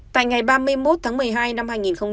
tại ngày ba mươi một tháng một mươi hai năm hai nghìn hai mươi